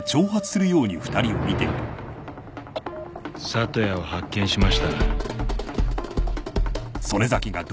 里谷を発見しました。